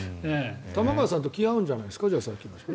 玉川さんと気が合うんじゃないですか。